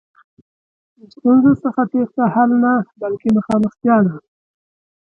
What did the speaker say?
له ستونزو څخه تېښته حل نه، بلکې مخامختیا ده.